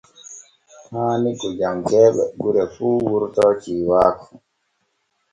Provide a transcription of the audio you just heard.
Haani gojankee ɓe gure fu wurto ciiwaaku.